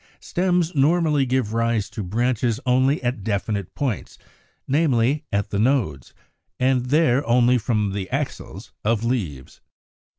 Stems normally give rise to branches only at definite points, namely, at the nodes, and there only from the axils of leaves.